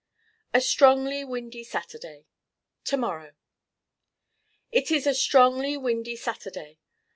A strongly windy Saturday To morrow It is a strongly windy Saturday.